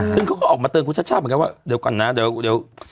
ซึ่งเขาก็ออกมาเตือนคุณชาติชาติเหมือนกันว่าเดี๋ยวก่อนนะเดี๋ยว